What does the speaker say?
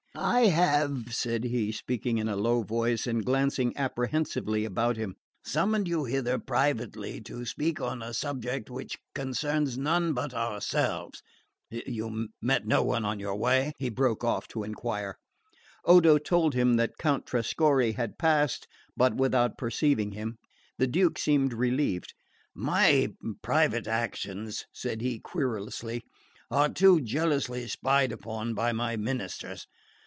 "I have," said he, speaking in a low voice, and glancing apprehensively about him, "summoned you hither privately to speak on a subject which concerns none but ourselves. You met no one on your way?" he broke off to enquire. Odo told him that Count Trescorre had passed, but without perceiving him. The Duke seemed relieved. "My private actions," said he querulously, "are too jealously spied upon by my ministers.